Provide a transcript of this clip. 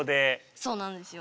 そうなんですよ。